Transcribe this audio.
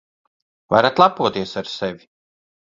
Varat lepoties ar sevi.